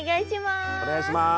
お願いします。